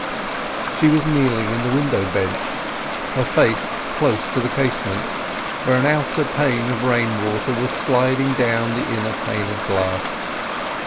She was kneeling in the window bench, her face close to the casement, where an outer pane of rain water was sliding down the inner pane of glass.